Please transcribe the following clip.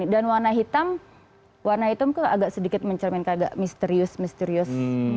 dan warna hitam warna hitam ke agak sedikit mencerminkan agak misterius misterius